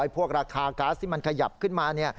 พวกราคาก๊าซที่มันขยับขึ้นมา